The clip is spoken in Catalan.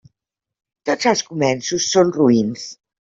Tots els començos són roïns.